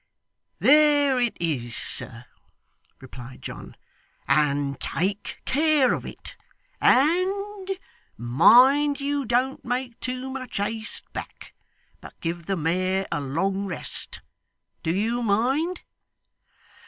'There it is, sir,' replied John; 'and take care of it; and mind you don't make too much haste back, but give the mare a long rest. Do you mind?